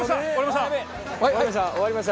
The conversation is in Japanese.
終わりました！